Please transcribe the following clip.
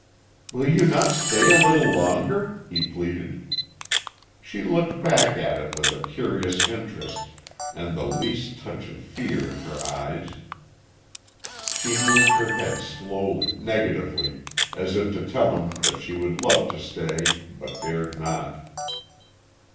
"Will you not stay a little longer?" he pleaded. She looked back at him with a curious interest and the least touch of fear in her eyes. She moved her head slowly, negatively, as if to tell him that she would love to stay but dared not.